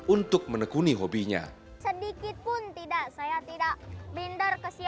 untuk menerima kemampuan skateboard